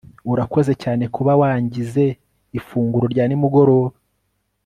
urakoze cyane kuba wangize ifunguro rya nimugoroba